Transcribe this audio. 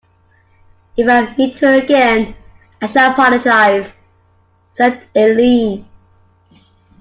If I meet her again I shall apologize, said Eileen.